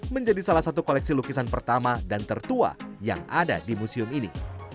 menjadi salah satu koleksi lukisan pertama dan tertua yang ada di museum ini